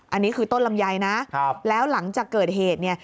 อันนี้คือต้นลำไยนะแล้วหลังจากเกิดเหตุเนี่ย